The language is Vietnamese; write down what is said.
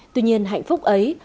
tuy nhiên hạnh phúc ấy